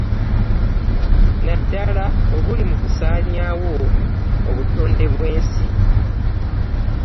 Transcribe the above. Naddala obuli mu kusaanyaawo obudde bw'ensi